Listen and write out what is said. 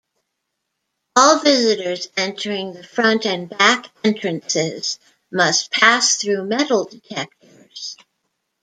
All visitors entering the front and back entrances must pass through metal detectors.